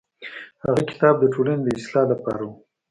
هغه کتاب د ټولنې د اصلاح لپاره و.